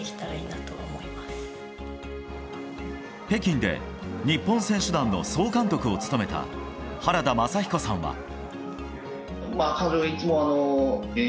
北京で日本選手団の総監督を務めた原田雅彦さんは。